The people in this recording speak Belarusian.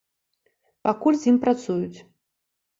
Пакуль з ім працуюць.